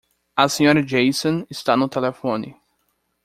A Sra. Jason está no telefone.